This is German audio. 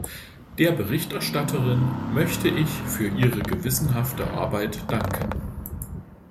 Der Berichterstatterin möchte ich für ihre gewissenhafte Arbeit danken.